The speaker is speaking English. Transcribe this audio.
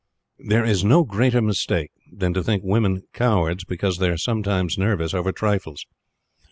There is no greater mistake than to think women cowards because they are sometimes nervous over trifles.